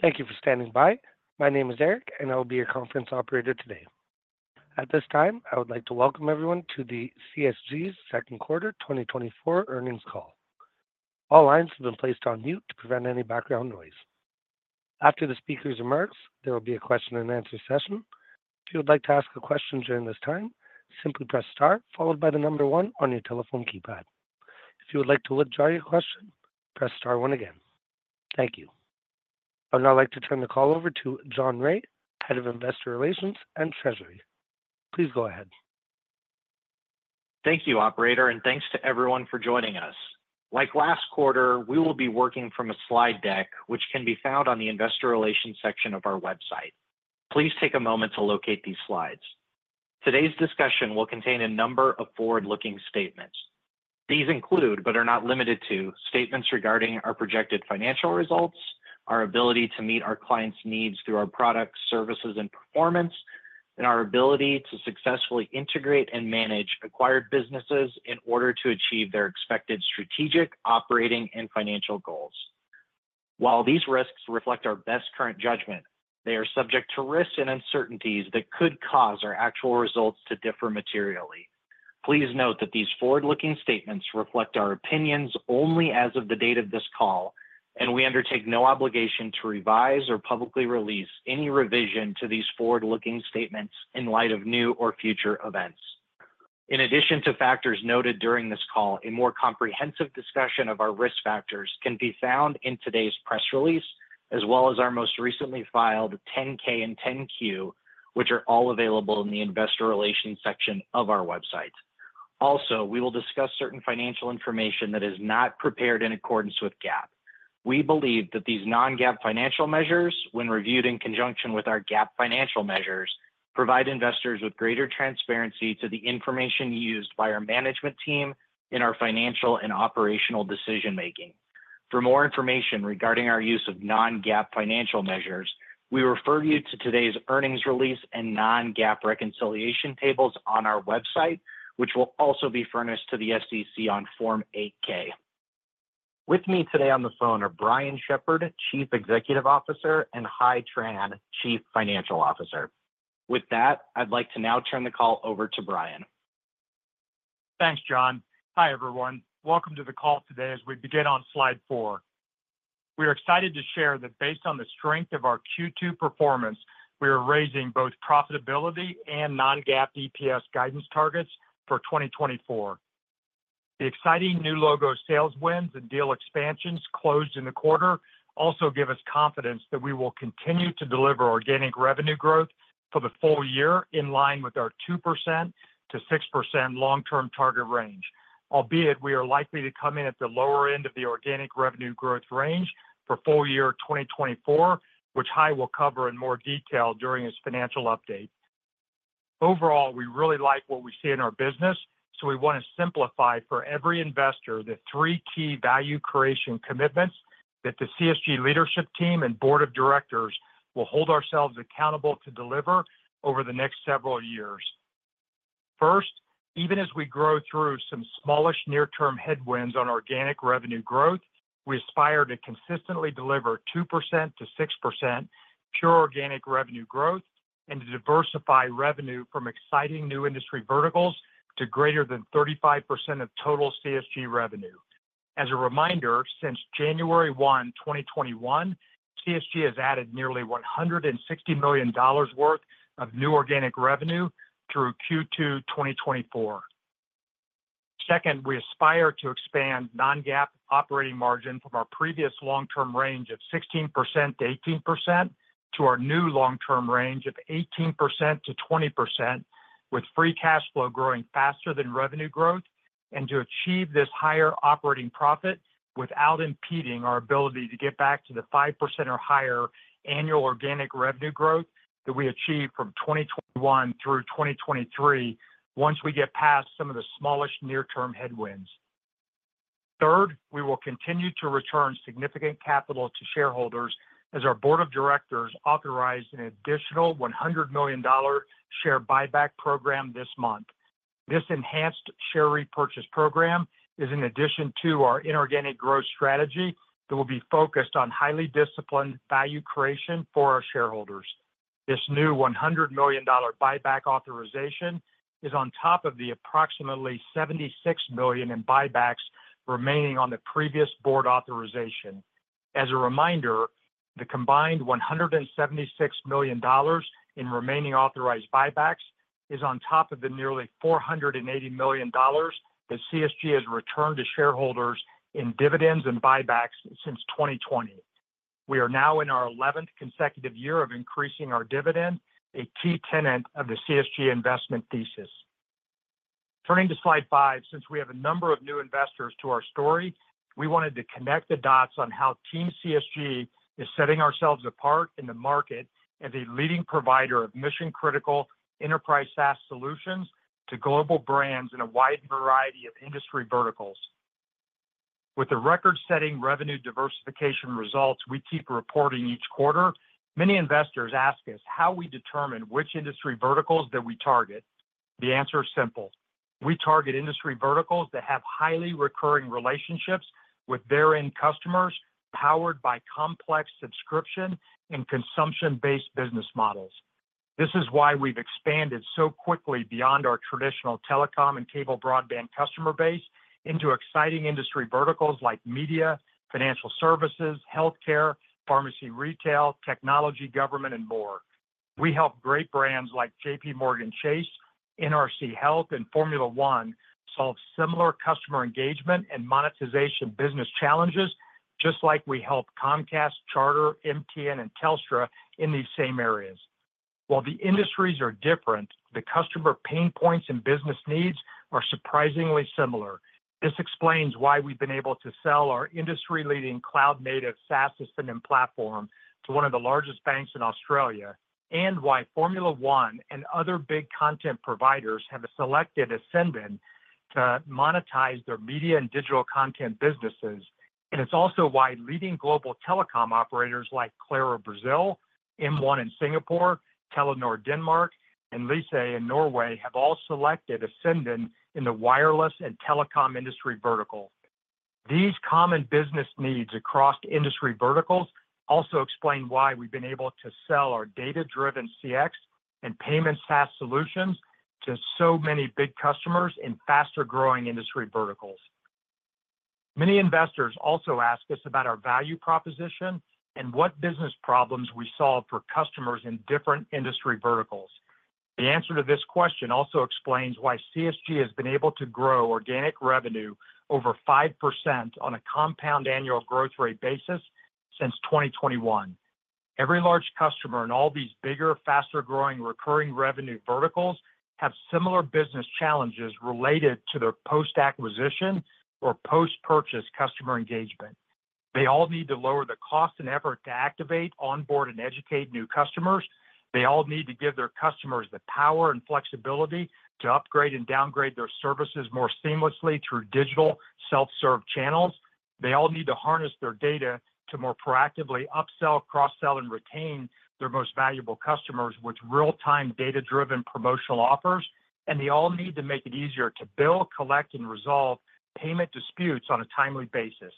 Thank you for standing by. My name is Eric, and I will be your conference operator today. At this time, I would like to welcome everyone to the CSG's Second Quarter 2024 Earnings Call. All lines have been placed on mute to prevent any background noise. After the speakers' remarks, there will be a question-and-answer session. If you would like to ask a question during this time, simply press Star, followed by the number one on your telephone keypad. If you would like to withdraw your question, press Star one again. Thank you. I would now like to turn the call over to John Rea, Head of Investor Relations and Treasury. Please go ahead. Thank you, Operator, and thanks to everyone for joining us. Like last quarter, we will be working from a slide deck, which can be found on the Investor Relations section of our website. Please take a moment to locate these slides. Today's discussion will contain a number of forward-looking statements. These include, but are not limited to, statements regarding our projected financial results, our ability to meet our clients' needs through our products, services, and performance, and our ability to successfully integrate and manage acquired businesses in order to achieve their expected strategic, operating, and financial goals. While these risks reflect our best current judgment, they are subject to risks and uncertainties that could cause our actual results to differ materially. Please note that these forward-looking statements reflect our opinions only as of the date of this call, and we undertake no obligation to revise or publicly release any revision to these forward-looking statements in light of new or future events. In addition to factors noted during this call, a more comprehensive discussion of our risk factors can be found in today's press release, as well as our most recently filed 10-K and 10-Q, which are all available in the Investor Relations section of our website. Also, we will discuss certain financial information that is not prepared in accordance with GAAP. We believe that these non-GAAP financial measures, when reviewed in conjunction with our GAAP financial measures, provide investors with greater transparency to the information used by our management team in our financial and operational decision-making. For more information regarding our use of non-GAAP financial measures, we refer you to today's earnings release and non-GAAP reconciliation tables on our website, which will also be furnished to the SEC on Form 8-K. With me today on the phone are Brian Shepherd, Chief Executive Officer, and Hai Tran, Chief Financial Officer. With that, I'd like to now turn the call over to Brian. Thanks, John. Hi, everyone. Welcome to the call today as we begin on slide 4. We are excited to share that based on the strength of our Q2 performance, we are raising both profitability and non-GAAP EPS guidance targets for 2024. The exciting new logo sales wins and deal expansions closed in the quarter also give us confidence that we will continue to deliver organic revenue growth for the full year in line with our 2%-6% long-term target range, albeit we are likely to come in at the lower end of the organic revenue growth range for full year 2024, which Hai will cover in more detail during his financial update. Overall, we really like what we see in our business, so we want to simplify for every investor the three key value creation commitments that the CSG leadership team and Board of Directors will hold ourselves accountable to deliver over the next several years. First, even as we grow through some smallish near-term headwinds on organic revenue growth, we aspire to consistently deliver 2%-6% pure organic revenue growth and to diversify revenue from exciting new industry verticals to greater than 35% of total CSG revenue. As a reminder, since January 1, 2021, CSG has added nearly $160 million worth of new organic revenue through Q2 2024. Second, we aspire to expand non-GAAP operating margin from our previous long-term range of 16%-18% to our new long-term range of 18%-20%, with free cash flow growing faster than revenue growth, and to achieve this higher operating profit without impeding our ability to get back to the 5% or higher annual organic revenue growth that we achieved from 2021 through 2023 once we get past some of the smallish near-term headwinds. Third, we will continue to return significant capital to shareholders as our Board of Directors authorized an additional $100 million share buyback program this month. This enhanced share repurchase program is in addition to our inorganic growth strategy that will be focused on highly disciplined value creation for our shareholders. This new $100 million buyback authorization is on top of the approximately $76 million in buybacks remaining on the previous board authorization. As a reminder, the combined $176 million in remaining authorized buybacks is on top of the nearly $480 million that CSG has returned to shareholders in dividends and buybacks since 2020. We are now in our 11th consecutive year of increasing our dividend, a key tenet of the CSG investment thesis. Turning to slide 5, since we have a number of new investors to our story, we wanted to connect the dots on how Team CSG is setting ourselves apart in the market as a leading provider of mission-critical enterprise SaaS solutions to global brands in a wide variety of industry verticals. With the record-setting revenue diversification results we keep reporting each quarter, many investors ask us how we determine which industry verticals that we target. The answer is simple. We target industry verticals that have highly recurring relationships with their end customers, powered by complex subscription and consumption-based business models. This is why we've expanded so quickly beyond our traditional telecom and cable broadband customer base into exciting industry verticals like media, financial services, healthcare, pharmacy retail, technology, government, and more. We help great brands like JPMorgan Chase, NRC Health, and Formula One solve similar customer engagement and monetization business challenges, just like we help Comcast, Charter, MTN, and Telstra in these same areas. While the industries are different, the customer pain points and business needs are surprisingly similar. This explains why we've been able to sell our industry-leading cloud-native SaaS Ascendon platform to one of the largest banks in Australia, and why Formula One and other big content providers have selected Ascendon to monetize their media and digital content businesses. It's also why leading global telecom operators like Claro Brazil, M1 in Singapore, Telenor Denmark, and Lyse in Norway have all selected Ascendon in the wireless and telecom industry vertical. These common business needs across industry verticals also explain why we've been able to sell our data-driven CX and payment SaaS solutions to so many big customers in faster-growing industry verticals. Many investors also ask us about our value proposition and what business problems we solve for customers in different industry verticals. The answer to this question also explains why CSG has been able to grow organic revenue over 5% on a compound annual growth rate basis since 2021. Every large customer in all these bigger, faster-growing, recurring revenue verticals have similar business challenges related to their post-acquisition or post-purchase customer engagement. They all need to lower the cost and effort to activate, onboard, and educate new customers. They all need to give their customers the power and flexibility to upgrade and downgrade their services more seamlessly through digital self-serve channels. They all need to harness their data to more proactively upsell, cross-sell, and retain their most valuable customers with real-time data-driven promotional offers. And they all need to make it easier to bill, collect, and resolve payment disputes on a timely basis.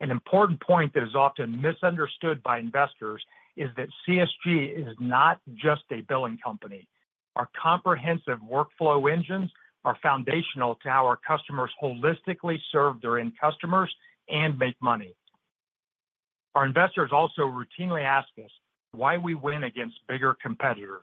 An important point that is often misunderstood by investors is that CSG is not just a billing company. Our comprehensive workflow engines are foundational to how our customers holistically serve their end customers and make money. Our investors also routinely ask us why we win against bigger competitors.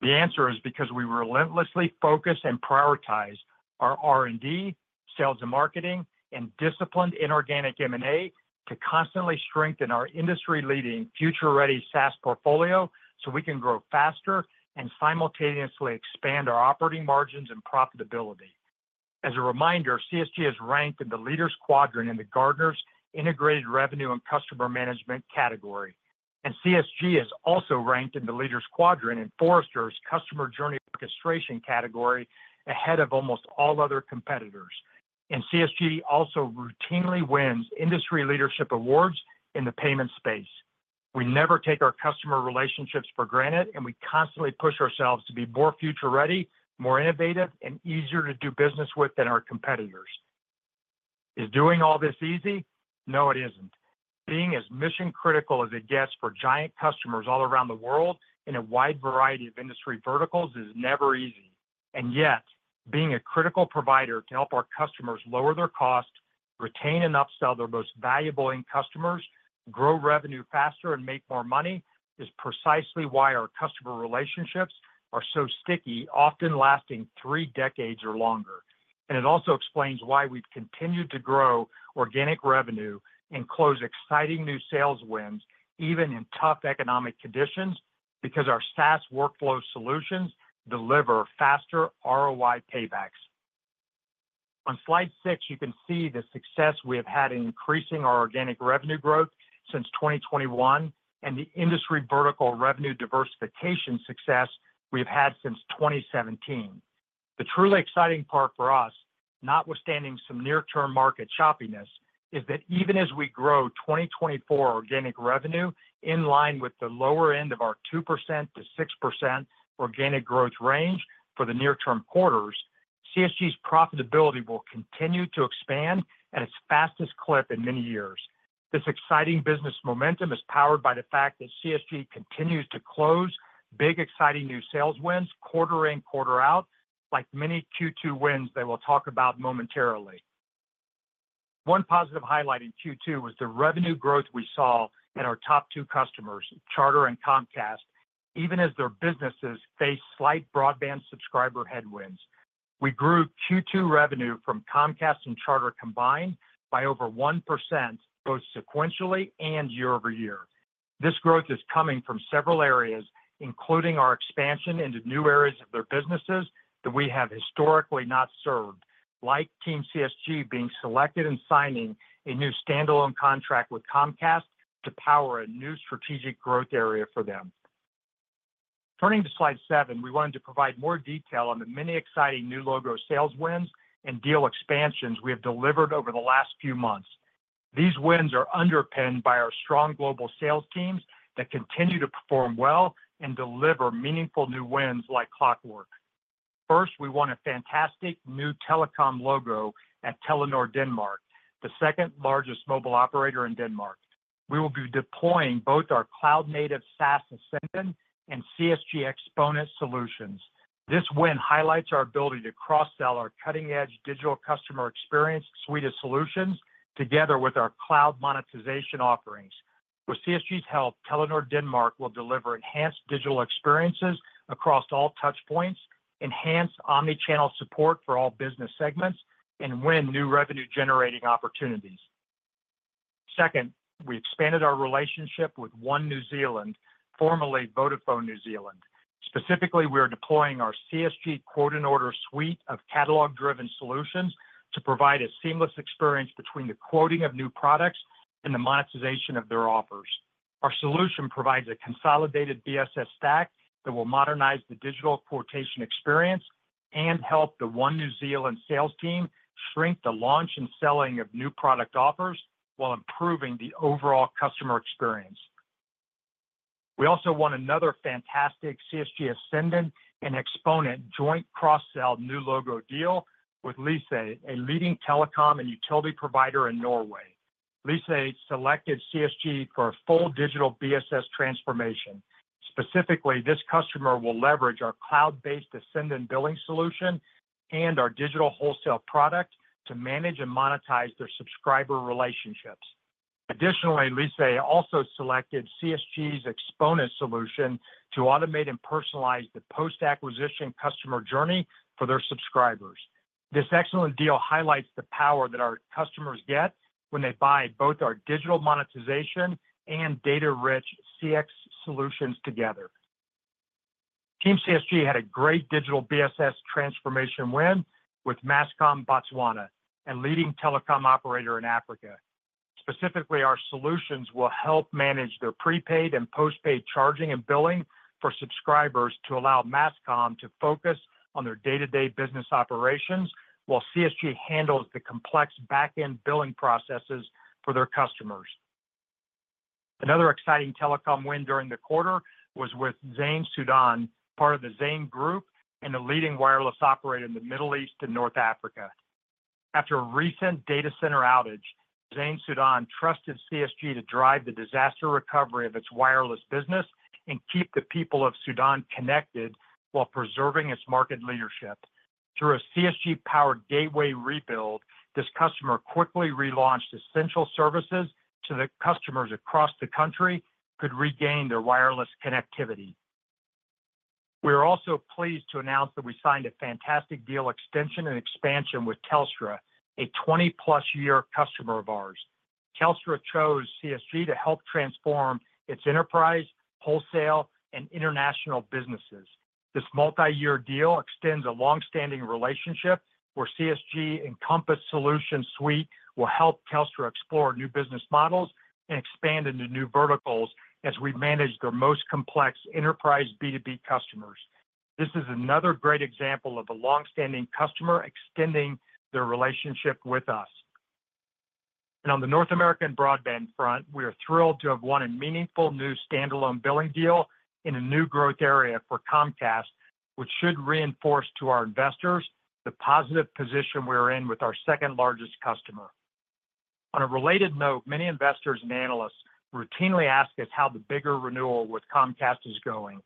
The answer is because we relentlessly focus and prioritize our R&D, sales and marketing, and disciplined inorganic M&A to constantly strengthen our industry-leading future-ready SaaS portfolio so we can grow faster and simultaneously expand our operating margins and profitability. As a reminder, CSG is ranked in the Leaders' Quadrant in the Gartner's Integrated Revenue and Customer Management category. CSG is also ranked in the Leaders' Quadrant in Forrester's Customer Journey Orchestration category ahead of almost all other competitors. CSG also routinely wins industry leadership awards in the payment space. We never take our customer relationships for granted, and we constantly push ourselves to be more future-ready, more innovative, and easier to do business with than our competitors. Is doing all this easy? No, it isn't. Being as mission-critical as it gets for giant customers all around the world in a wide variety of industry verticals is never easy. And yet, being a critical provider to help our customers lower their costs, retain and upsell their most valuable end customers, grow revenue faster, and make more money is precisely why our customer relationships are so sticky, often lasting three decades or longer. And it also explains why we've continued to grow organic revenue and close exciting new sales wins even in tough economic conditions because our SaaS workflow solutions deliver faster ROI paybacks. On slide 6, you can see the success we have had in increasing our organic revenue growth since 2021 and the industry vertical revenue diversification success we have had since 2017. The truly exciting part for us, notwithstanding some near-term market choppiness, is that even as we grow 2024 organic revenue in line with the lower end of our 2%-6% organic growth range for the near-term quarters, CSG's profitability will continue to expand at its fastest clip in many years. This exciting business momentum is powered by the fact that CSG continues to close big exciting new sales wins quarter in, quarter out, like many Q2 wins they will talk about momentarily. One positive highlight in Q2 was the revenue growth we saw in our top two customers, Charter and Comcast, even as their businesses faced slight broadband subscriber headwinds. We grew Q2 revenue from Comcast and Charter combined by over 1% both sequentially and year-over-year. This growth is coming from several areas, including our expansion into new areas of their businesses that we have historically not served, like Team CSG being selected and signing a new standalone contract with Comcast to power a new strategic growth area for them. Turning to slide 7, we wanted to provide more detail on the many exciting new logo sales wins and deal expansions we have delivered over the last few months. These wins are underpinned by our strong global sales teams that continue to perform well and deliver meaningful new wins like clockwork. First, we won a fantastic new telecom logo at Telenor Denmark, the second largest mobile operator in Denmark. We will be deploying both our cloud-native SaaS Ascendon and CSG Xponent solutions. This win highlights our ability to cross-sell our cutting-edge digital customer experience suite of solutions together with our cloud monetization offerings. With CSG's help, Telenor Denmark will deliver enhanced digital experiences across all touchpoints, enhanced omnichannel support for all business segments, and win new revenue-generating opportunities. Second, we expanded our relationship with One New Zealand, formerly Vodafone New Zealand. Specifically, we are deploying our CSG Quote and Order suite of catalog-driven solutions to provide a seamless experience between the quoting of new products and the monetization of their offers. Our solution provides a consolidated BSS stack that will modernize the digital quotation experience and help the One New Zealand sales team shrink the launch and selling of new product offers while improving the overall customer experience. We also won another fantastic CSG Ascendon and Xponent joint cross-sell new logo deal with Lyse, a leading telecom and utility provider in Norway. Lyse selected CSG for a full digital BSS transformation. Specifically, this customer will leverage our cloud-based Ascendon billing solution and our digital wholesale product to manage and monetize their subscriber relationships. Additionally, Lyse also selected CSG's Xponent solution to automate and personalize the post-acquisition customer journey for their subscribers. This excellent deal highlights the power that our customers get when they buy both our digital monetization and data-rich CX solutions together. Team CSG had a great digital BSS transformation win with Mascom Botswana, a leading telecom operator in Africa. Specifically, our solutions will help manage their prepaid and postpaid charging and billing for subscribers to allow Mascom to focus on their day-to-day business operations while CSG handles the complex backend billing processes for their customers. Another exciting telecom win during the quarter was with Zain Sudan, part of the Zain Group and a leading wireless operator in the Middle East and North Africa. After a recent data center outage, Zain Sudan trusted CSG to drive the disaster recovery of its wireless business and keep the people of Sudan connected while preserving its market leadership. Through a CSG-powered gateway rebuild, this customer quickly relaunched essential services so that customers across the country could regain their wireless connectivity. We are also pleased to announce that we signed a fantastic deal extension and expansion with Telstra, a +20 year customer of ours. Telstra chose CSG to help transform its enterprise, wholesale, and international businesses. This multi-year deal extends a long-standing relationship where CSG Encompass solutions suite will help Telstra explore new business models and expand into new verticals as we manage their most complex enterprise B2B customers. This is another great example of a long-standing customer extending their relationship with us. On the North American broadband front, we are thrilled to have won a meaningful new standalone billing deal in a new growth area for Comcast, which should reinforce to our investors the positive position we are in with our second-largest customer. On a related note, many investors and analysts routinely ask us how the bigger renewal with Comcast is going.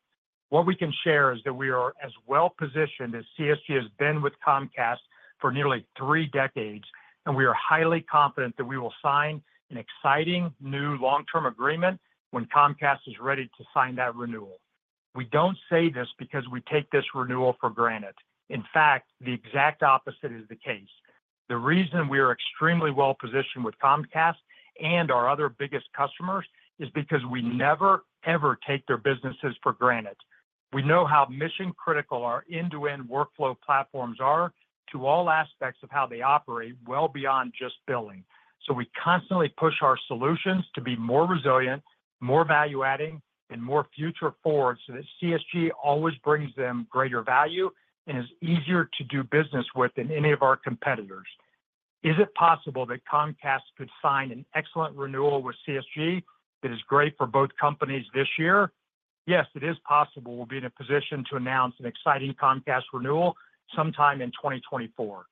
What we can share is that we are as well-positioned as CSG has been with Comcast for nearly three decades, and we are highly confident that we will sign an exciting new long-term agreement when Comcast is ready to sign that renewal. We don't say this because we take this renewal for granted. In fact, the exact opposite is the case. The reason we are extremely well-positioned with Comcast and our other biggest customers is because we never, ever take their businesses for granted. We know how mission-critical our end-to-end workflow platforms are to all aspects of how they operate well beyond just billing. So we constantly push our solutions to be more resilient, more value-adding, and more future-forward so that CSG always brings them greater value and is easier to do business with than any of our competitors. Is it possible that Comcast could sign an excellent renewal with CSG that is great for both companies this year? Yes, it is possible we'll be in a position to announce an exciting Comcast renewal sometime in 2024.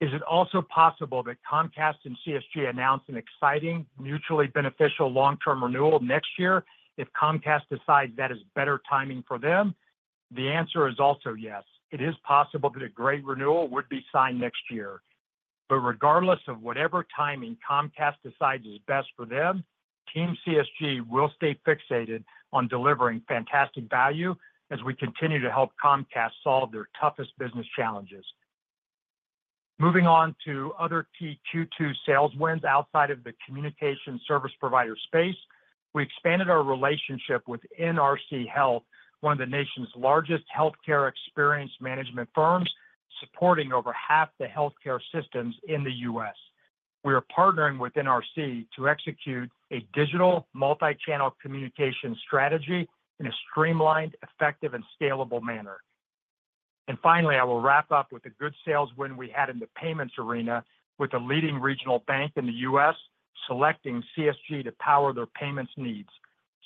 Is it also possible that Comcast and CSG announce an exciting, mutually beneficial long-term renewal next year if Comcast decides that is better timing for them? The answer is also yes. It is possible that a great renewal would be signed next year. But regardless of whatever timing Comcast decides is best for them, Team CSG will stay fixated on delivering fantastic value as we continue to help Comcast solve their toughest business challenges. Moving on to other key Q2 sales wins outside of the communication service provider space, we expanded our relationship with NRC Health, one of the nation's largest healthcare experience management firms supporting over half the healthcare systems in the U.S. We are partnering with NRC to execute a digital multi-channel communication strategy in a streamlined, effective, and scalable manner. Finally, I will wrap up with a good sales win we had in the payments arena with a leading regional bank in the U.S. selecting CSG to power their payments needs.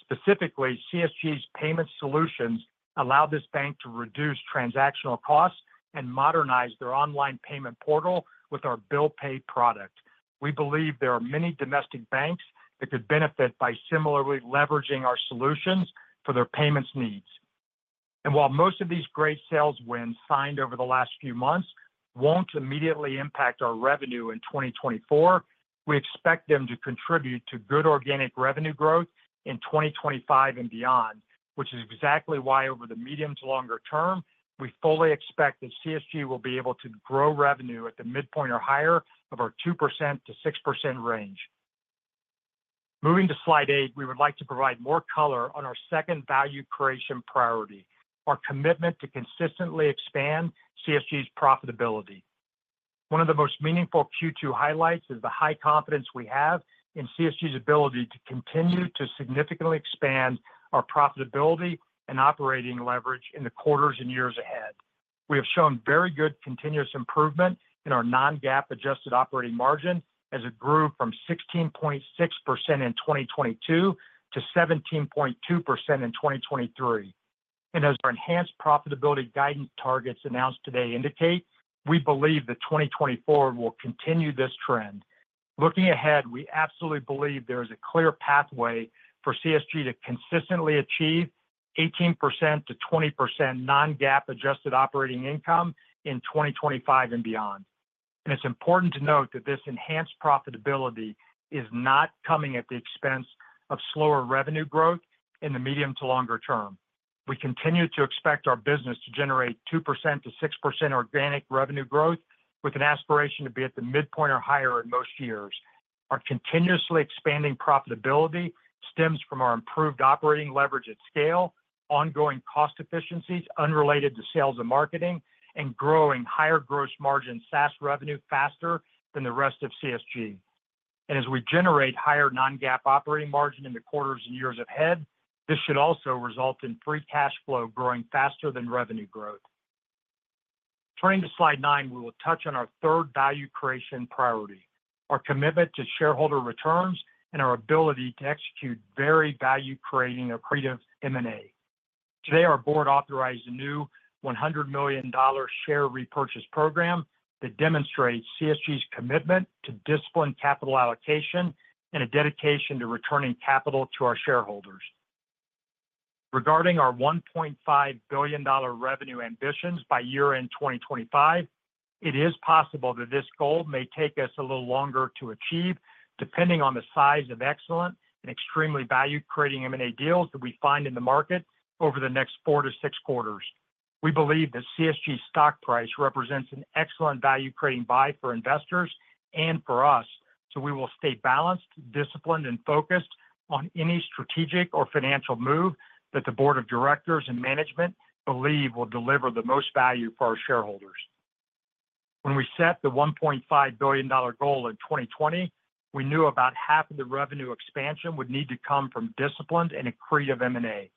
Specifically, CSG's payment solutions allow this bank to reduce transactional costs and modernize their online payment portal with our Bill Pay product. We believe there are many domestic banks that could benefit by similarly leveraging our solutions for their payments needs. While most of these great sales wins signed over the last few months won't immediately impact our revenue in 2024, we expect them to contribute to good organic revenue growth in 2025 and beyond, which is exactly why over the medium to longer term, we fully expect that CSG will be able to grow revenue at the midpoint or higher of our 2%-6% range. Moving to slide 8, we would like to provide more color on our second value creation priority: our commitment to consistently expand CSG's profitability. One of the most meaningful Q2 highlights is the high confidence we have in CSG's ability to continue to significantly expand our profitability and operating leverage in the quarters and years ahead. We have shown very good continuous improvement in our non-GAAP adjusted operating margin as it grew from 16.6% in 2022 to 17.2% in 2023. As our enhanced profitability guidance targets announced today indicate, we believe that 2024 will continue this trend. Looking ahead, we absolutely believe there is a clear pathway for CSG to consistently achieve 18%-20% non-GAAP adjusted operating income in 2025 and beyond. It's important to note that this enhanced profitability is not coming at the expense of slower revenue growth in the medium to longer term. We continue to expect our business to generate 2%-6% organic revenue growth with an aspiration to be at the midpoint or higher in most years. Our continuously expanding profitability stems from our improved operating leverage at scale, ongoing cost efficiencies unrelated to sales and marketing, and growing higher gross margin SaaS revenue faster than the rest of CSG. As we generate higher non-GAAP operating margin in the quarters and years ahead, this should also result in free cash flow growing faster than revenue growth. Turning to slide 9, we will touch on our third value creation priority: our commitment to shareholder returns and our ability to execute very value-creating accretive M&A. Today, our board authorized a new $100 million share repurchase program that demonstrates CSG's commitment to disciplined capital allocation and a dedication to returning capital to our shareholders. Regarding our $1.5 billion revenue ambitions by year-end 2025, it is possible that this goal may take us a little longer to achieve, depending on the size of excellent and extremely value-creating M&A deals that we find in the market over the next four-six quarters. We believe that CSG's stock price represents an excellent value-creating buy for investors and for us, so we will stay balanced, disciplined, and focused on any strategic or financial move that the Board of Directors and management believe will deliver the most value for our shareholders. When we set the $1.5 billion goal in 2020, we knew about half of the revenue expansion would need to come from disciplined and accretive M&A.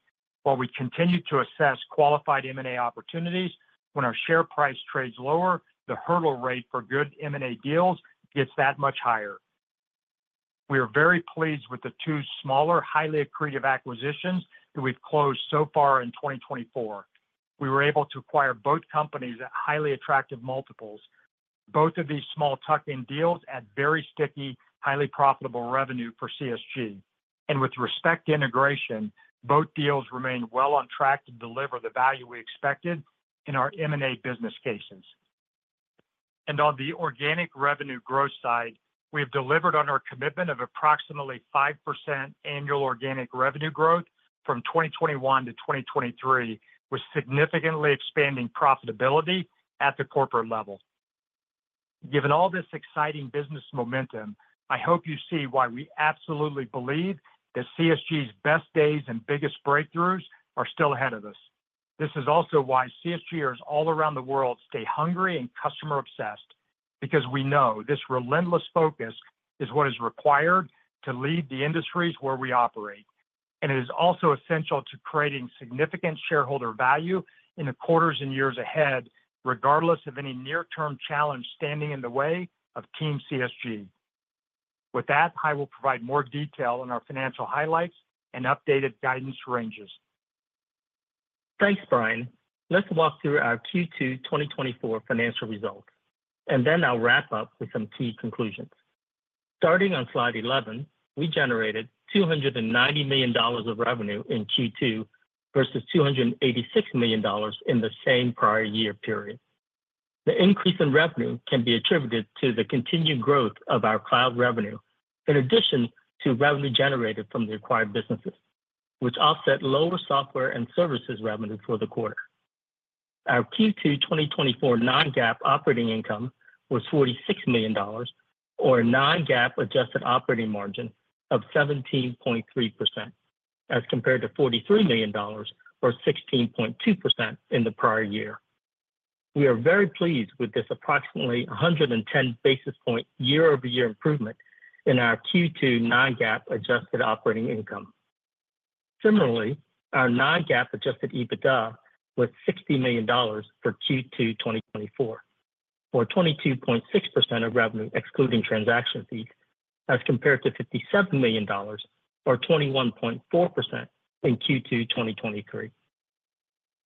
While we continue to assess qualified M&A opportunities, when our share price trades lower, the hurdle rate for good M&A deals gets that much higher. We are very pleased with the two smaller, highly accretive acquisitions that we've closed so far in 2024. We were able to acquire both companies at highly attractive multiples. Both of these small tuck-in deals add very sticky, highly profitable revenue for CSG. With respect to integration, both deals remain well on track to deliver the value we expected in our M&A business cases. On the organic revenue growth side, we have delivered on our commitment of approximately 5% annual organic revenue growth from 2021 to 2023, with significantly expanding profitability at the corporate level. Given all this exciting business momentum, I hope you see why we absolutely believe that CSG's best days and biggest breakthroughs are still ahead of us. This is also why CSGers all around the world stay hungry and customer-obsessed, because we know this relentless focus is what is required to lead the industries where we operate. It is also essential to creating significant shareholder value in the quarters and years ahead, regardless of any near-term challenge standing in the way of Team CSG. With that, I will provide more detail on our financial highlights and updated guidance ranges. Thanks, Brian. Let's walk through our Q2 2024 financial results, and then I'll wrap up with some key conclusions. Starting on slide 11, we generated $290 million of revenue in Q2 versus $286 million in the same prior year period. The increase in revenue can be attributed to the continued growth of our cloud revenue, in addition to revenue generated from the acquired businesses, which offset lower software and services revenue for the quarter. Our Q2 2024 non-GAAP operating income was $46 million, or a non-GAAP adjusted operating margin of 17.3%, as compared to $43 million or 16.2% in the prior year. We are very pleased with this approximately 110 basis point year-over-year improvement in our Q2 non-GAAP adjusted operating income. Similarly, our non-GAAP adjusted EBITDA was $60 million for Q2 2024, or 22.6% of revenue excluding transaction fees, as compared to $57 million or 21.4% in Q2 2023.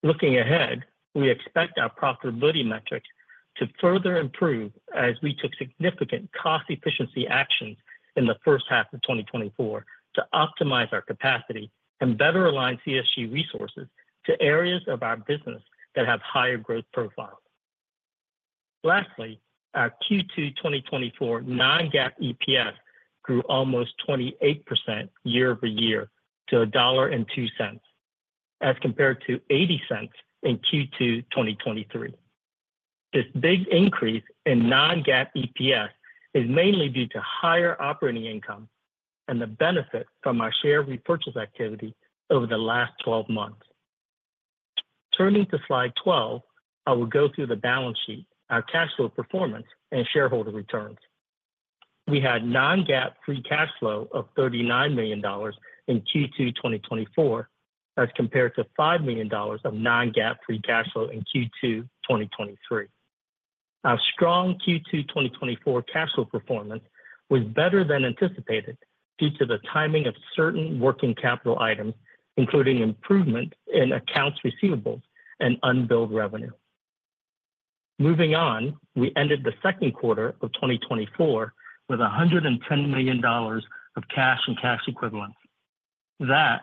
Looking ahead, we expect our profitability metrics to further improve as we took significant cost efficiency actions in the first half of 2024 to optimize our capacity and better align CSG resources to areas of our business that have higher growth profiles. Lastly, our Q2 2024 non-GAAP EPS grew almost 28% year-over-year to $1.02, as compared to $0.80 in Q2 2023. This big increase in non-GAAP EPS is mainly due to higher operating income and the benefit from our share repurchase activity over the last 12 months. Turning to slide 12, I will go through the balance sheet, our cash flow performance, and shareholder returns. We had non-GAAP free cash flow of $39 million in Q2 2024, as compared to $5 million of non-GAAP free cash flow in Q2 2023. Our strong Q2 2024 cash flow performance was better than anticipated due to the timing of certain working capital items, including improvements in accounts receivable and unbilled revenue. Moving on, we ended the second quarter of 2024 with $110 million of cash and cash equivalents. That,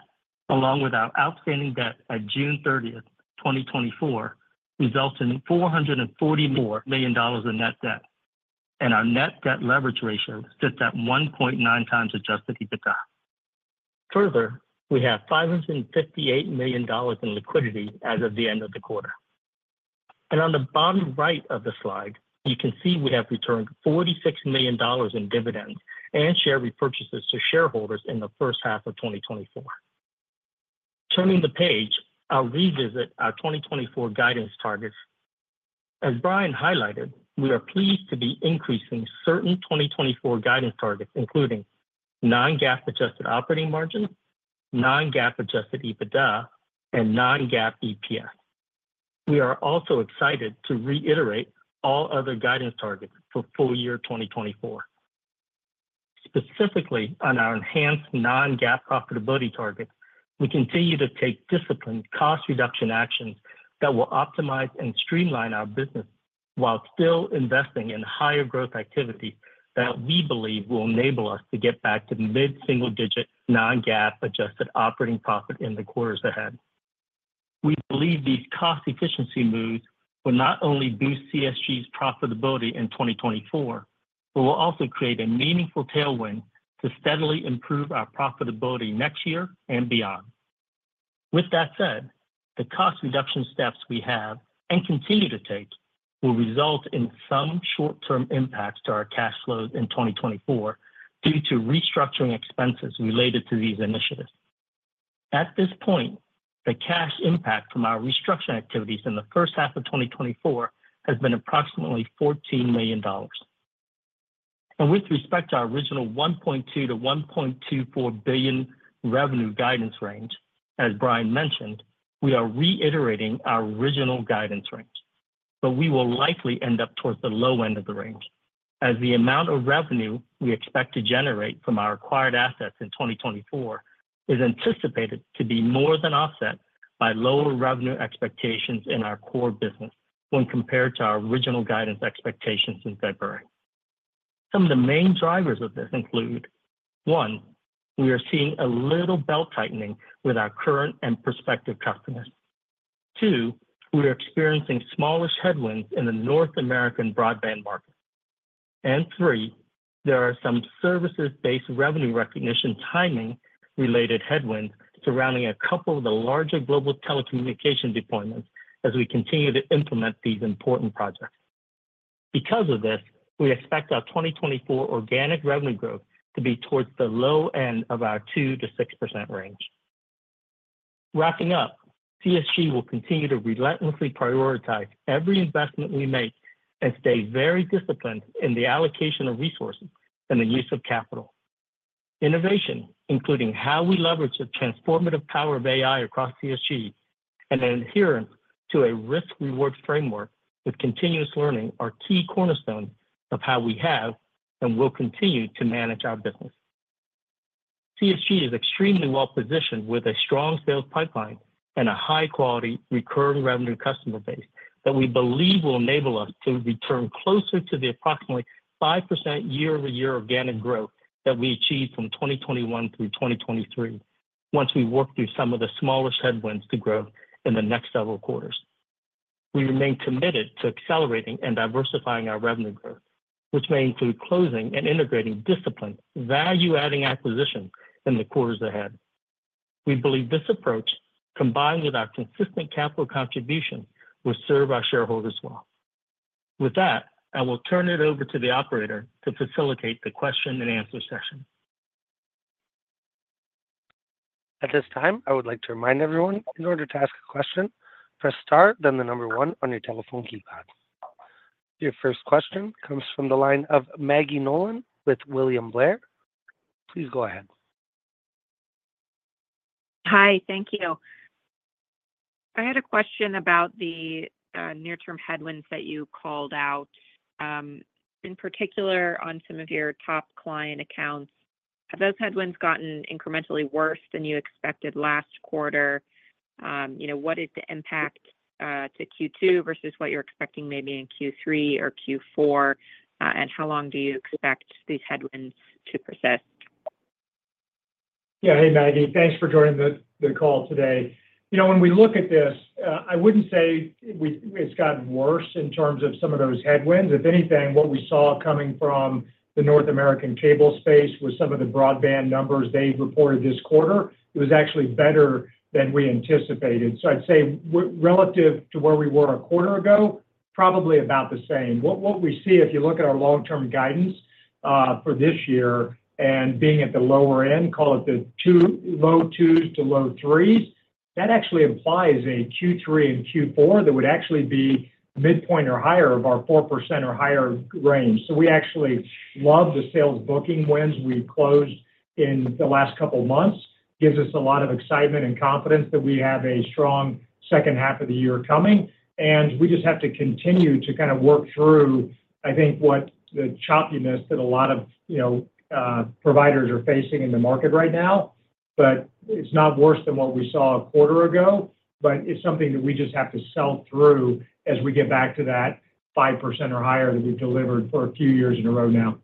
along with our outstanding debt by June 30, 2024, resulted in $444 million in net debt, and our net debt leverage ratio sits at 1.9x adjusted EBITDA. Further, we have $558 million in liquidity as of the end of the quarter. On the bottom right of the slide, you can see we have returned $46 million in dividends and share repurchases to shareholders in the first half of 2024. Turning the page, I'll revisit our 2024 guidance targets. As Brian highlighted, we are pleased to be increasing certain 2024 guidance targets, including non-GAAP adjusted operating margin, non-GAAP adjusted EBITDA, and non-GAAP EPS. We are also excited to reiterate all other guidance targets for full year 2024. Specifically, on our enhanced non-GAAP profitability targets, we continue to take disciplined cost reduction actions that will optimize and streamline our business while still investing in higher growth activity that we believe will enable us to get back to mid-single-digit non-GAAP adjusted operating profit in the quarters ahead. We believe these cost efficiency moves will not only boost CSG's profitability in 2024, but will also create a meaningful tailwind to steadily improve our profitability next year and beyond. With that said, the cost reduction steps we have and continue to take will result in some short-term impacts to our cash flows in 2024 due to restructuring expenses related to these initiatives. At this point, the cash impact from our restructuring activities in the first half of 2024 has been approximately $14 million. And with respect to our original $1.2 billion-$1.24 billion revenue guidance range, as Brian mentioned, we are reiterating our original guidance range, but we will likely end up towards the low end of the range, as the amount of revenue we expect to generate from our acquired assets in 2024 is anticipated to be more than offset by lower revenue expectations in our core business when compared to our original guidance expectations in February. Some of the main drivers of this include: one, we are seeing a little belt tightening with our current and prospective customers. Two, we are experiencing smaller headwinds in the North American broadband market. And three, there are some services-based revenue recognition timing-related headwinds surrounding a couple of the larger global telecommunication deployments as we continue to implement these important projects. Because of this, we expect our 2024 organic revenue growth to be towards the low end of our 2%-6% range. Wrapping up, CSG will continue to relentlessly prioritize every investment we make and stay very disciplined in the allocation of resources and the use of capital. Innovation, including how we leverage the transformative power of AI across CSG and adherence to a risk-reward framework with continuous learning, are key cornerstones of how we have and will continue to manage our business. CSG is extremely well-positioned with a strong sales pipeline and a high-quality recurring revenue customer base that we believe will enable us to return closer to the approximately 5% year-over-year organic growth that we achieved from 2021 through 2023, once we work through some of the smaller headwinds to growth in the next several quarters. We remain committed to accelerating and diversifying our revenue growth, which may include closing and integrating disciplined value-adding acquisitions in the quarters ahead. We believe this approach, combined with our consistent capital contribution, will serve our shareholders well. With that, I will turn it over to the operator to facilitate the question and answer session. At this time, I would like to remind everyone, in order to ask a question, press star then the number one on your telephone keypad. Your first question comes from the line of Maggie Nolan with William Blair. Please go ahead. Hi, thank you. I had a question about the near-term headwinds that you called out, in particular on some of your top client accounts. Have those headwinds gotten incrementally worse than you expected last quarter? What is the impact to Q2 versus what you're expecting maybe in Q3 or Q4? How long do you expect these headwinds to persist? Yeah, hey, Maggie, thanks for joining the call today. When we look at this, I wouldn't say it's gotten worse in terms of some of those headwinds. If anything, what we saw coming from the North American cable space with some of the broadband numbers they reported this quarter, it was actually better than we anticipated. So I'd say relative to where we were a quarter ago, probably about the same. What we see, if you look at our long-term guidance for this year and being at the lower end, call it the low 2s to low 3s, that actually implies a Q3 and Q4 that would actually be midpoint or higher of our 4% or higher range. So we actually love the sales booking wins we closed in the last couple of months. It gives us a lot of excitement and confidence that we have a strong second half of the year coming. And we just have to continue to kind of work through, I think, what the choppiness that a lot of providers are facing in the market right now. But it's not worse than what we saw a quarter ago, but it's something that we just have to sell through as we get back to that 5% or higher that we've delivered for a few years in a row now.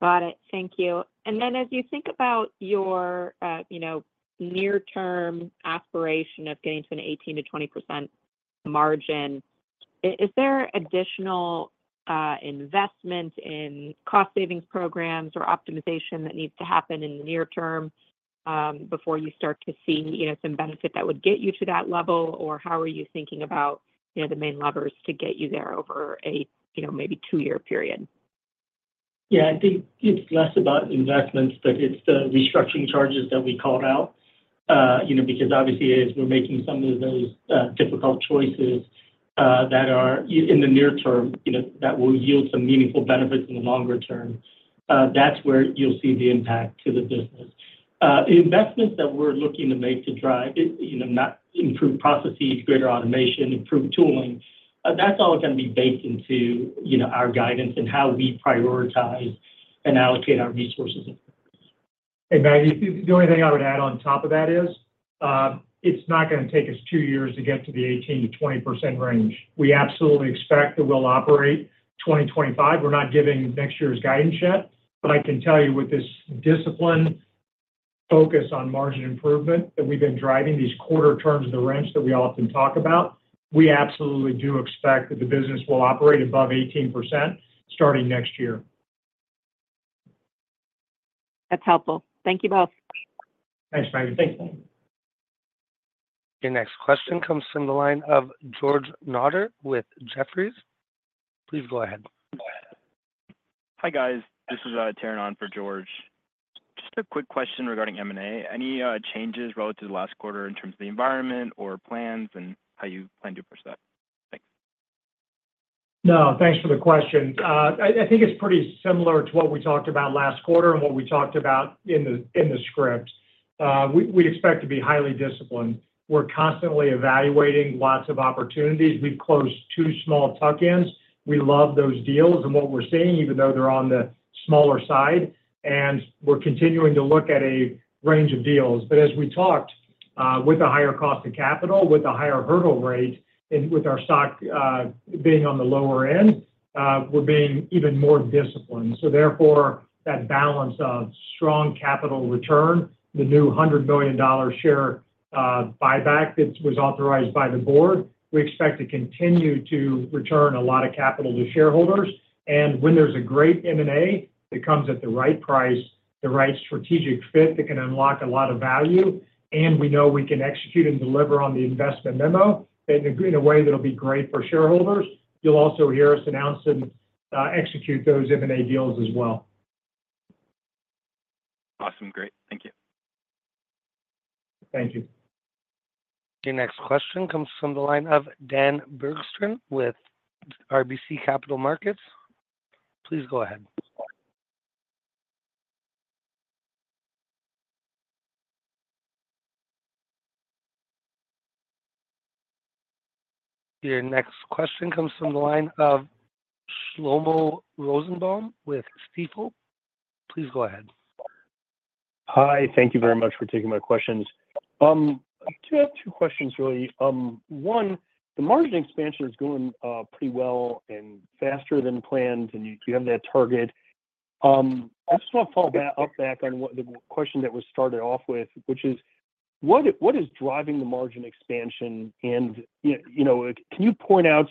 Got it. Thank you. And then as you think about your near-term aspiration of getting to an 18%-20% margin, is there additional investment in cost savings programs or optimization that needs to happen in the near term before you start to see some benefit that would get you to that level? Or how are you thinking about the main levers to get you there over a maybe two-year period? Yeah, I think it's less about investments, but it's the restructuring charges that we called out, because obviously, as we're making some of those difficult choices that are in the near term that will yield some meaningful benefits in the longer term, that's where you'll see the impact to the business. Investments that we're looking to make to drive not improved processes, greater automation, improved tooling, that's all going to be baked into our guidance and how we prioritize and allocate our resources. Hey, Maggie, the only thing I would add on top of that is it's not going to take us two years to get to the 18%-20% range. We absolutely expect that we'll operate 2025. We're not giving next year's guidance yet, but I can tell you with this discipline focus on margin improvement that we've been driving these quarter turns of the wrench that we often talk about, we absolutely do expect that the business will operate above 18% starting next year. That's helpful. Thank you both. Thanks, Maggie. Your next question comes from the line of George Notter with Jefferies. Please go ahead. Hi, guys. This is Taron on for George. Just a quick question regarding M&A. Any changes relative to last quarter in terms of the environment or plans and how you plan to approach that? Thanks. No, thanks for the question. I think it's pretty similar to what we talked about last quarter and what we talked about in the script. We expect to be highly disciplined. We're constantly evaluating lots of opportunities. We've closed two small tuck-ins. We love those deals and what we're seeing, even though they're on the smaller side. We're continuing to look at a range of deals. As we talked, with a higher cost of capital, with a higher hurdle rate, and with our stock being on the lower end, we're being even more disciplined. Therefore, that balance of strong capital return, the new $100 million share buyback that was authorized by the board, we expect to continue to return a lot of capital to shareholders. When there's a great M&A that comes at the right price, the right strategic fit that can unlock a lot of value, and we know we can execute and deliver on the investment memo in a way that'll be great for shareholders, you'll also hear us announce and execute those M&A deals as well. Awesome. Great. Thank you. Thank you. Your next question comes from the line of Dan Bergstrom with RBC Capital Markets. Please go ahead. Your next question comes from the line of Shlomo Rosenbaum with Stifel. Please go ahead. Hi, thank you very much for taking my questions. I do have two questions, really. One, the margin expansion is going pretty well and faster than planned, and you have that target. I just want to follow up back on the question that was started off with, which is, what is driving the margin expansion? And can you point out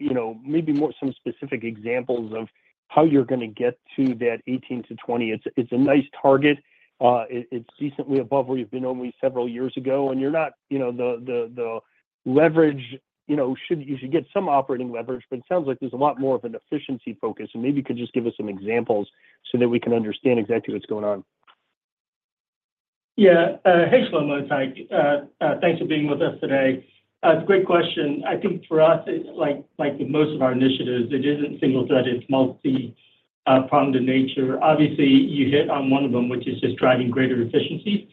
maybe some specific examples of how you're going to get to that 18%-20%? It's a nice target. It's decently above where you've been only several years ago, and you're not the leverage. You should get some operating leverage, but it sounds like there's a lot more of an efficiency focus. And maybe you could just give us some examples so that we can understand exactly what's going on. Yeah. Hey, Shlomo and Mike. Thanks for being with us today. It's a great question. I think for us, like with most of our initiatives, it isn't single-threaded. It's multi-pronged in nature. Obviously, you hit on one of them, which is just driving greater efficiencies.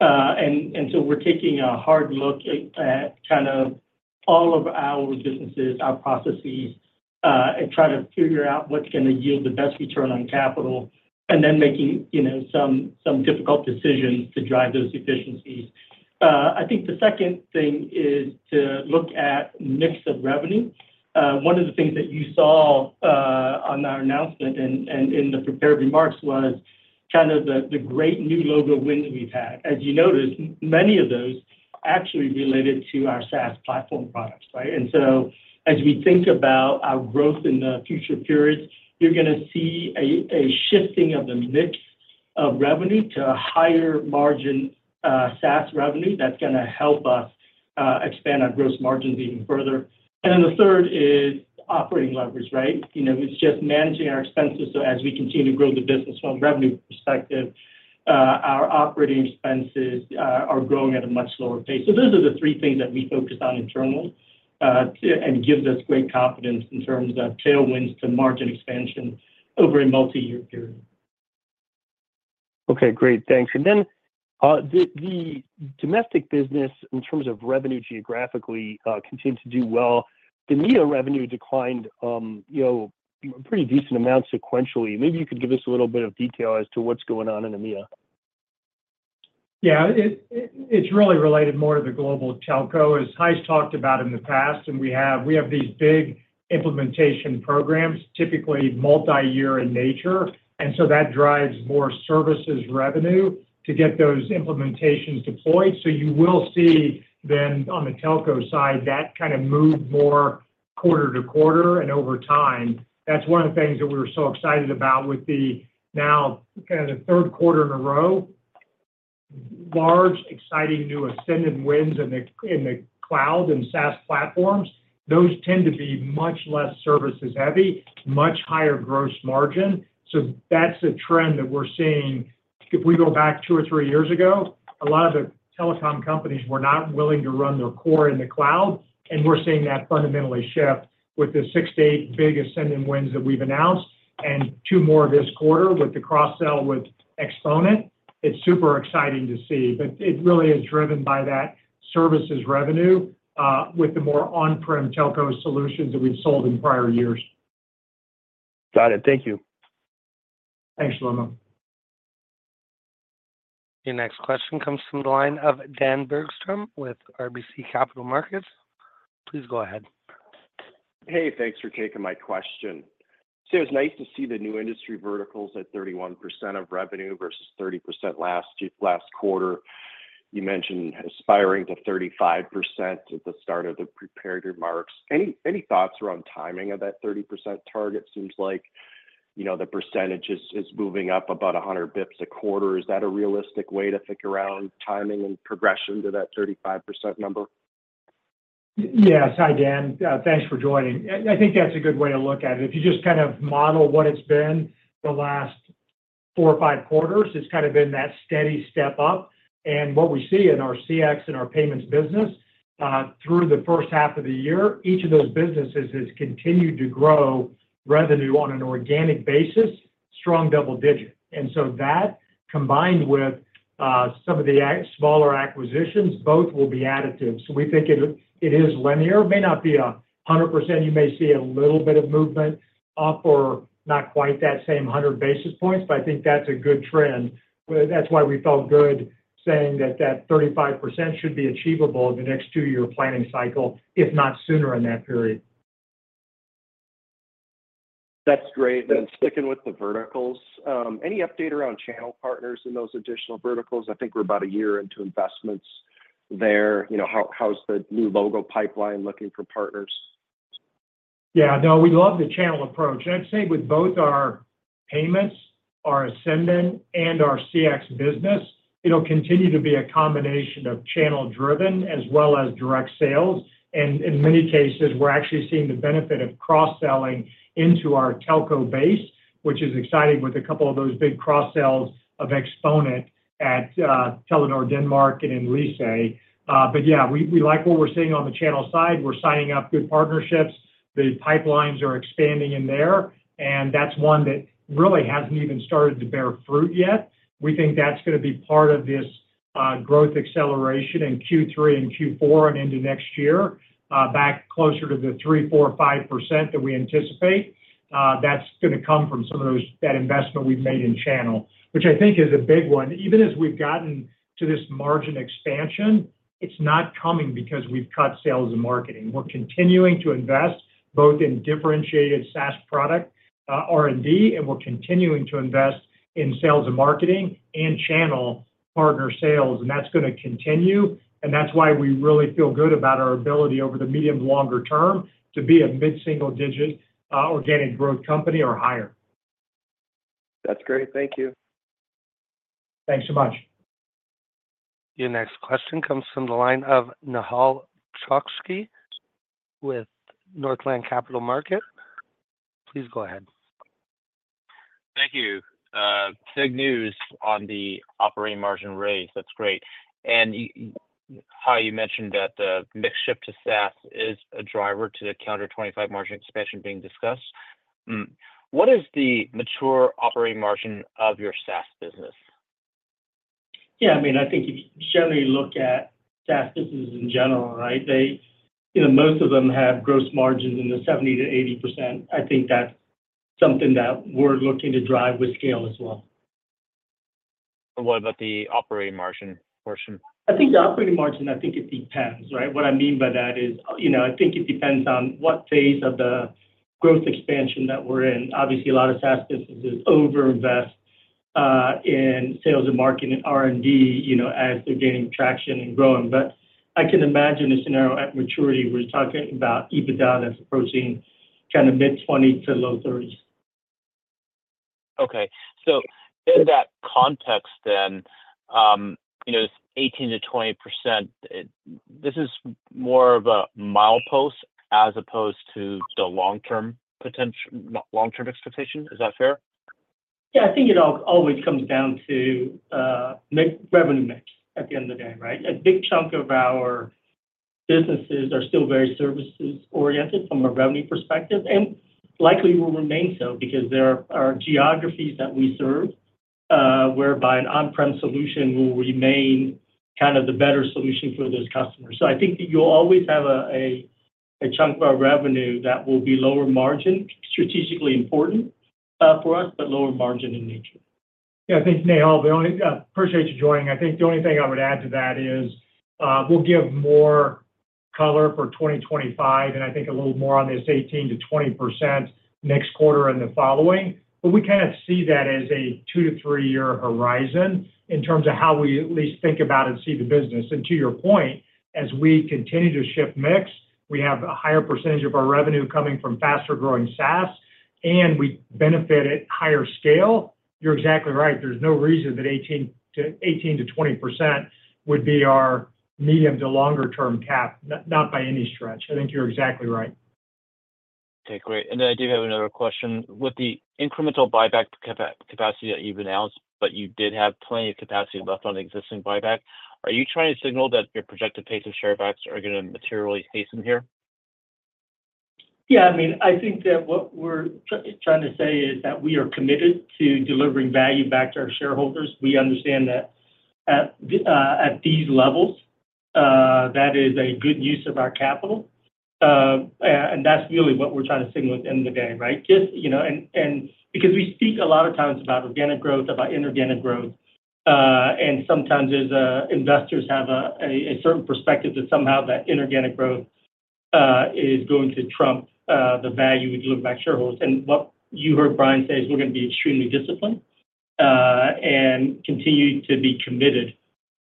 And so we're taking a hard look at kind of all of our businesses, our processes, and try to figure out what's going to yield the best return on capital, and then making some difficult decisions to drive those efficiencies. I think the second thing is to look at mix of revenue. One of the things that you saw on our announcement and in the prepared remarks was kind of the great new logo wins we've had. As you noticed, many of those actually related to our SaaS platform products, right? And so as we think about our growth in the future periods, you're going to see a shifting of the mix of revenue to a higher margin SaaS revenue that's going to help us expand our gross margins even further. And then the third is operating leverage, right? It's just managing our expenses so as we continue to grow the business from a revenue perspective, our operating expenses are growing at a much lower pace. So those are the three things that we focus on internally and give us great confidence in terms of tailwinds to margin expansion over a multi-year period. Okay, great. Thanks. And then the domestic business, in terms of revenue geographically, continued to do well. The MEA revenue declined pretty decent amounts sequentially. Maybe you could give us a little bit of detail as to what's going on in the MEA. Yeah, it's really related more to the global telco, as Hai's talked about in the past. And we have these big implementation programs, typically multi-year in nature. And so that drives more services revenue to get those implementations deployed. So you will see then on the telco side that kind of move more quarter to quarter and over time. That's one of the things that we were so excited about with the now kind of the third quarter in a row. Large, exciting new Ascendon wins in the cloud and SaaS platforms. Those tend to be much less services-heavy, much higher gross margin. So that's a trend that we're seeing. If we go back two or three years ago, a lot of the telecom companies were not willing to run their core in the cloud. We're seeing that fundamentally shift with the six-eight big Ascendon wins that we've announced and two more this quarter with the cross-sell with Xponent. It's super exciting to see. It really is driven by that services revenue with the more on-prem telco solutions that we've sold in prior years. Got it. Thank you. Thanks, Shlomo. Your next question comes from the line of Dan Bergstrom with RBC Capital Markets. Please go ahead. Hey, thanks for taking my question. So it's nice to see the new industry verticals at 31% of revenue versus 30% last quarter. You mentioned aspiring to 35% at the start of the prepared remarks. Any thoughts around timing of that 30% target? Seems like the percentage is moving up about 100 basis points a quarter. Is that a realistic way to think around timing and progression to that 35% number? Yes. Hi, Dan. Thanks for joining. I think that's a good way to look at it. If you just kind of model what it's been the last four or five quarters, it's kind of been that steady step up. And what we see in our CX and our payments business through the first half of the year, each of those businesses has continued to grow revenue on an organic basis, strong double digit. And so that combined with some of the smaller acquisitions, both will be additive. So we think it is linear. It may not be 100%. You may see a little bit of movement up or not quite that same 100 basis points, but I think that's a good trend. That's why we felt good saying that that 35% should be achievable in the next two-year planning cycle, if not sooner in that period. That's great. And sticking with the verticals, any update around channel partners in those additional verticals? I think we're about a year into investments there. How's the new logo pipeline looking for partners? Yeah. No, we love the channel approach. I'd say with both our payments, our Ascendon, and our CX business, it'll continue to be a combination of channel-driven as well as direct sales. And in many cases, we're actually seeing the benefit of cross-selling into our telco base, which is exciting with a couple of those big cross-sells of Xponent at Telenor Denmark and in Lyse. But yeah, we like what we're seeing on the channel side. We're signing up good partnerships. The pipelines are expanding in there. That's one that really hasn't even started to bear fruit yet. We think that's going to be part of this growth acceleration in Q3 and Q4 and into next year, back closer to the 3%, 4%, 5% that we anticipate. That's going to come from some of that investment we've made in channel, which I think is a big one. Even as we've gotten to this margin expansion, it's not coming because we've cut sales and marketing. We're continuing to invest both in differentiated SaaS product R&D, and we're continuing to invest in sales and marketing and channel partner sales. And that's going to continue. And that's why we really feel good about our ability over the medium to longer term to be a mid-single-digit organic growth company or higher. That's great. Thank you. Thanks so much. Your next question comes from the line of Nehal Chokshi with Northland Capital Markets. Please go ahead. Thank you. Big news on the operating margin raise. That's great. Hi, you mentioned that the mix shift to SaaS is a driver to the 2025 margin expansion being discussed. What is the mature operating margin of your SaaS business? Yeah. I mean, I think if you generally look at SaaS businesses in general, right, most of them have gross margins in the 70%-80%. I think that's something that we're looking to drive with scale as well. What about the operating margin portion? I think the operating margin, I think it depends, right? What I mean by that is I think it depends on what phase of the growth expansion that we're in. Obviously, a lot of SaaS businesses over-invest in sales and marketing and R&D as they're gaining traction and growing. But I can imagine a scenario at maturity where you're talking about EBITDA that's approaching kind of mid-20% to low 30%. Okay. So in that context then, this 18%-20%, this is more of a milepost as opposed to the long-term expectation. Is that fair? Yeah. I think it always comes down to revenue mix at the end of the day, right? A big chunk of our businesses are still very services-oriented from a revenue perspective. And likely will remain so because there are geographies that we serve whereby an on-prem solution will remain kind of the better solution for those customers. So I think that you'll always have a chunk of our revenue that will be lower margin, strategically important for us, but lower margin in nature. Yeah. Thanks, Nehal. I appreciate you joining. I think the only thing I would add to that is we'll give more color for 2025, and I think a little more on this 18%-20% next quarter and the following. But we kind of see that as a two, three year horizon in terms of how we at least think about and see the business. And to your point, as we continue to shift mix, we have a higher percentage of our revenue coming from faster-growing SaaS, and we benefit at higher scale. You're exactly right. There's no reason that 18%-20% would be our medium to longer-term cap, not by any stretch. I think you're exactly right. Okay. Great. And then I do have another question. With the incremental buyback capacity that you've announced, but you did have plenty of capacity left on existing buyback, are you trying to signal that your projected pace of share buybacks are going to materially hasten here? Yeah. I mean, I think that what we're trying to say is that we are committed to delivering value back to our shareholders. We understand that at these levels, that is a good use of our capital. And that's really what we're trying to signal at the end of the day, right? And because we speak a lot of times about organic growth, about inorganic growth, and sometimes investors have a certain perspective that somehow that inorganic growth is going to trump the value we deliver back to shareholders. What you heard Brian say is we're going to be extremely disciplined and continue to be committed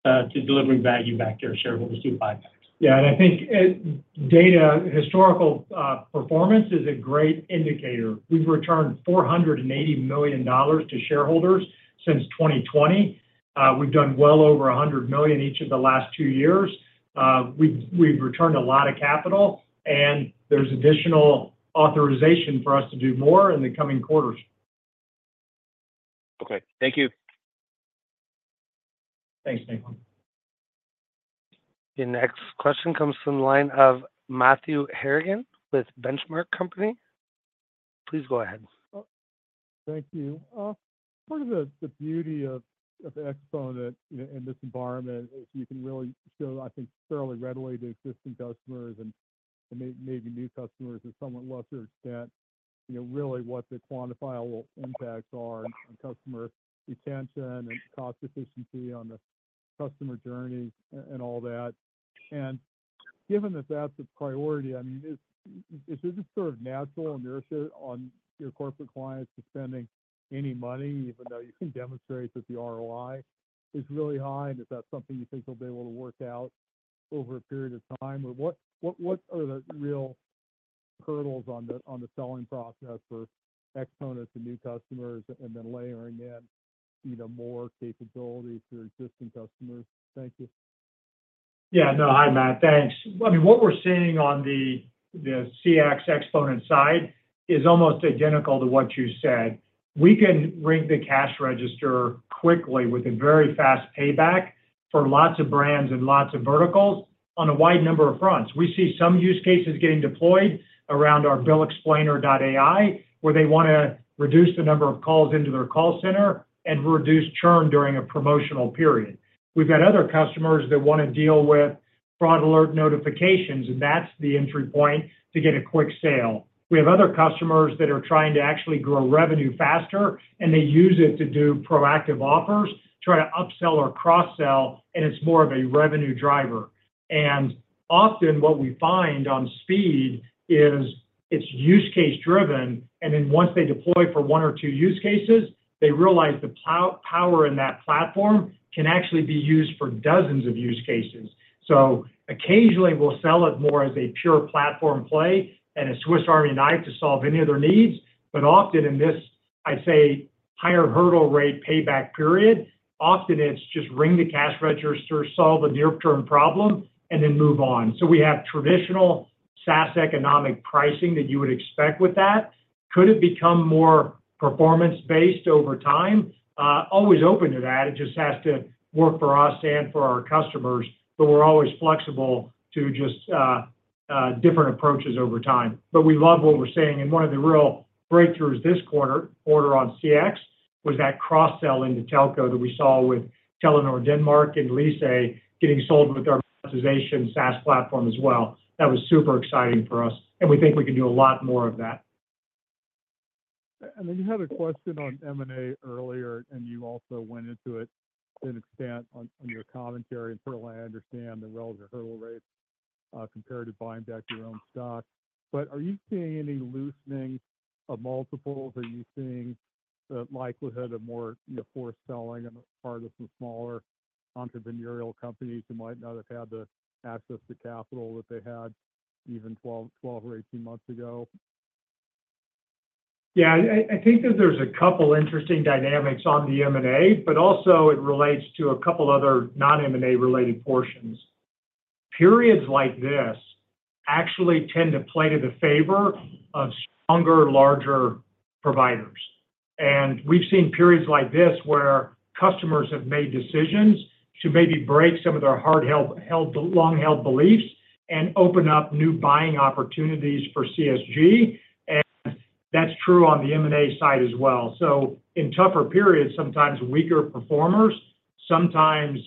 to delivering value back to our shareholders through buybacks. Yeah. I think data, historical performance is a great indicator. We've returned $480 million to shareholders since 2020. We've done well over $100 million each of the last two years. We've returned a lot of capital, and there's additional authorization for us to do more in the coming quarters. Okay. Thank you. Thanks, Nehal. Your next question comes from the line of Matthew Harrigan with Benchmark Company. Please go ahead. Thank you. Part of the beauty of Xponent in this environment is you can really show, I think, fairly readily to existing customers and maybe new customers to somewhat lesser extent really what the quantifiable impacts are on customer retention and cost efficiency on the customer journey and all that. And given that that's a priority, I mean, is it just sort of natural inertia on your corporate clients to spending any money, even though you can demonstrate that the ROI is really high? And is that something you think they'll be able to work out over a period of time? Or what are the real hurdles on the selling process for Xponent to new customers and then layering in more capability for existing customers? Thank you. Yeah. No, hi, Matt. Thanks. I mean, what we're seeing on the CX Xponent side is almost identical to what you said. We can ring the cash register quickly with a very fast payback for lots of brands and lots of verticals on a wide number of fronts. We see some use cases getting deployed around our Bill Explainer.ai, where they want to reduce the number of calls into their call center and reduce churn during a promotional period. We've got other customers that want to deal with fraud alert notifications, and that's the entry point to get a quick sale. We have other customers that are trying to actually grow revenue faster, and they use it to do proactive offers, try to upsell or cross-sell, and it's more of a revenue driver. And often what we find on speed is it's use case driven. And then once they deploy for one or two use cases, they realize the power in that platform can actually be used for dozens of use cases. So occasionally we'll sell it more as a pure platform play and a Swiss Army knife to solve any other needs. But often in this, I'd say, higher hurdle rate payback period, often it's just ring the cash register, solve a near-term problem, and then move on. So we have traditional SaaS economic pricing that you would expect with that. Could it become more performance-based over time? Always open to that. It just has to work for us and for our customers. But we're always flexible to just different approaches over time. But we love what we're seeing. And one of the real breakthroughs this quarter on CX was that cross-sell into telco that we saw with Telenor Denmark and Lyse getting sold with our monetization SaaS platform as well. That was super exciting for us. And we think we can do a lot more of that. And then you had a question on M&A earlier, and you also went into it to an extent on your commentary. And certainly I understand the relative hurdle rate compared to buying back your own stock. But are you seeing any loosening of multiples? Are you seeing the likelihood of more forced selling on the part of some smaller entrepreneurial companies who might not have had the access to capital that they had even 12 or 18 months ago? Yeah. I think that there's a couple of interesting dynamics on the M&A, but also it relates to a couple of other non-M&A related portions. Periods like this actually tend to play to the favor of stronger, larger providers. And we've seen periods like this where customers have made decisions to maybe break some of their hard-held, long-held beliefs and open up new buying opportunities for CSG. And that's true on the M&A side as well. So in tougher periods, sometimes weaker performers sometimes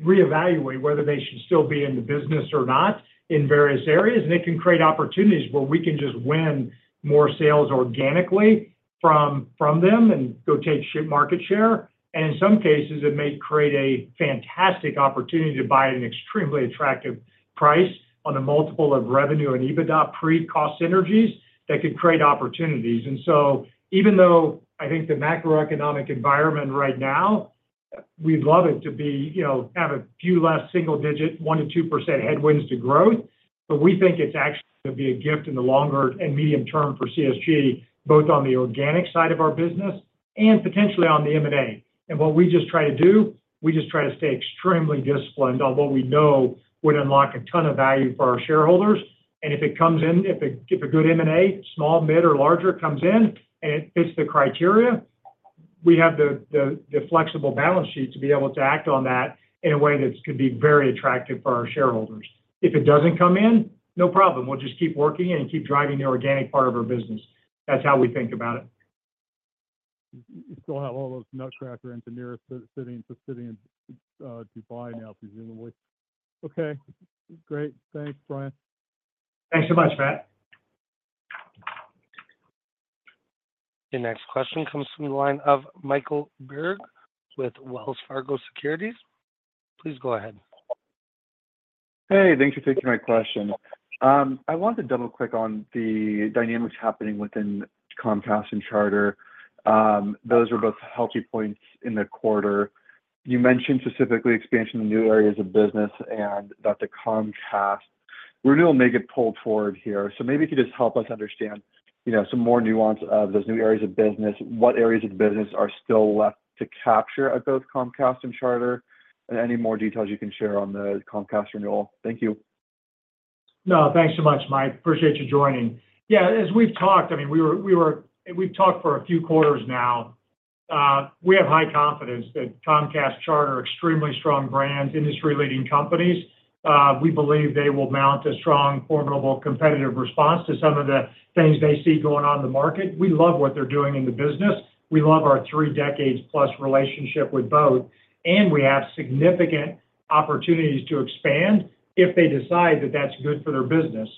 reevaluate whether they should still be in the business or not in various areas. And it can create opportunities where we can just win more sales organically from them and go take market share. And in some cases, it may create a fantastic opportunity to buy at an extremely attractive price on a multiple of revenue and EBITDA pre-cost synergies that could create opportunities. And so even though I think the macroeconomic environment right now, we'd love it to have a few less single-digit, 1%-2% headwinds to growth, but we think it's actually going to be a gift in the longer and medium term for CSG, both on the organic side of our business and potentially on the M&A. And what we just try to do, we just try to stay extremely disciplined, although we know would unlock a ton of value for our shareholders. And if it comes in, if a good M&A, small, mid, or larger comes in and it fits the criteria, we have the flexible balance sheet to be able to act on that in a way that could be very attractive for our shareholders. If it doesn't come in, no problem. We'll just keep working and keep driving the organic part of our business. That's how we think about it. You still have all those Netcracker engineers sitting in Dubai now, presumably. Okay. Great. Thanks, Brian. Thanks so much, Matt. Your next question comes from the line of Michael Berg with Wells Fargo Securities. Please go ahead. Hey, thanks for taking my question. I want to double-click on the dynamics happening within Comcast and Charter. Those were both healthy points in the quarter. You mentioned specifically expansion in new areas of business and that the Comcast renewal may get pulled forward here. So maybe if you could just help us understand some more nuance of those new areas of business, what areas of business are still left to capture at both Comcast and Charter, and any more details you can share on the Comcast renewal. Thank you. No, thanks so much, Mike. Appreciate you joining. Yeah. As we've talked, I mean, we've talked for a few quarters now. We have high confidence that Comcast, Charter, extremely strong brands, industry-leading companies. We believe they will mount a strong, formidable competitive response to some of the things they see going on in the market. We love what they're doing in the business. We love our three decades-plus relationship with both. We have significant opportunities to expand if they decide that that's good for their business.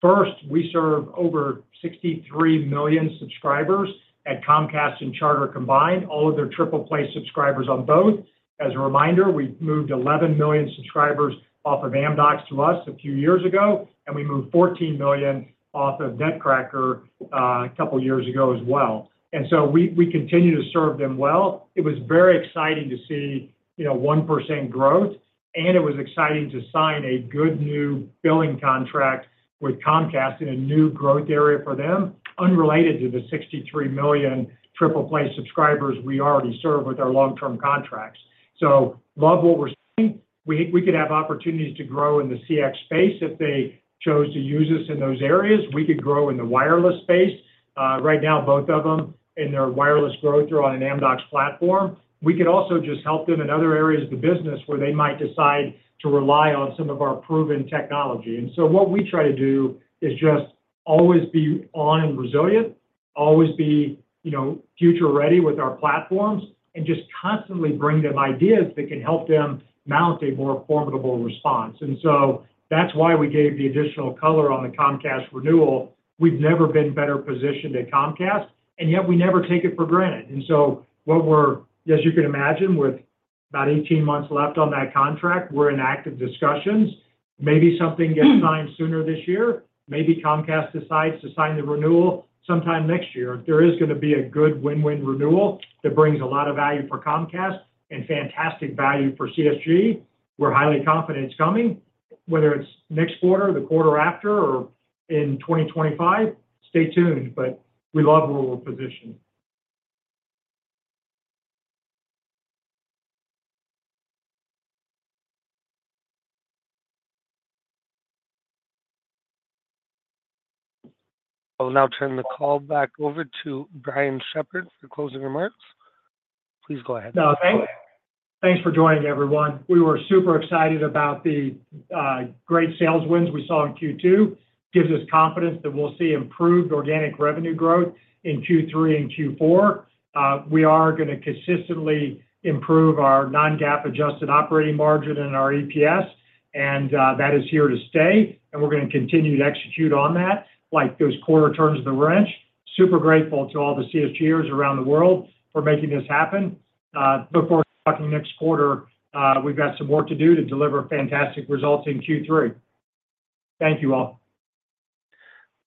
First, we serve over 63 million subscribers at Comcast and Charter combined, all of their triple-play subscribers on both. As a reminder, we moved 11 million subscribers off of Amdocs to us a few years ago, and we moved 14 million off of Netcracker a couple of years ago as well. We continue to serve them well. It was very exciting to see 1% growth, and it was exciting to sign a good new billing contract with Comcast in a new growth area for them, unrelated to the 63 million triple-play subscribers we already serve with our long-term contracts. So love what we're seeing. We could have opportunities to grow in the CX space if they chose to use us in those areas. We could grow in the wireless space. Right now, both of them in their wireless growth are on an Amdocs platform. We could also just help them in other areas of the business where they might decide to rely on some of our proven technology. And so what we try to do is just always be on and resilient, always be future-ready with our platforms, and just constantly bring them ideas that can help them mount a more formidable response. And so that's why we gave the additional color on the Comcast renewal. We've never been better positioned at Comcast, and yet we never take it for granted. And so what we're, as you can imagine, with about 18 months left on that contract, we're in active discussions. Maybe something gets signed sooner this year. Maybe Comcast decides to sign the renewal sometime next year. There is going to be a good win-win renewal that brings a lot of value for Comcast and fantastic value for CSG. We're highly confident it's coming, whether it's next quarter, the quarter after, or in 2025. Stay tuned, but we love where we're positioned. I'll now turn the call back over to Brian Shepherd for closing remarks. Please go ahead. Thanks for joining, everyone. We were super excited about the great sales wins we saw in Q2. It gives us confidence that we'll see improved organic revenue growth in Q3 and Q4. We are going to consistently improve our non-GAAP adjusted operating margin and our EPS, and that is here to stay. We're going to continue to execute on that like those quarter turns of the wrench. Super grateful to all the CSGers around the world for making this happen. Before talking next quarter, we've got some work to do to deliver fantastic results in Q3. Thank you all.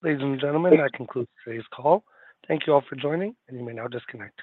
Ladies and gentlemen, that concludes today's call. Thank you all for joining, and you may now disconnect.